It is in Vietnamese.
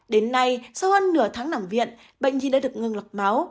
đến nay sau hơn nửa tháng nằm viện bệnh nhi đã được ngưng lọc máu